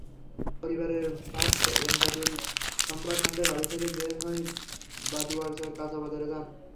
পরিবারের ভাষ্য, এমদাদুল সোমবার সন্ধ্যায় বাড়ি থেকে বের হয়ে বাদুয়ারচর কাঁচাবাজারে যান।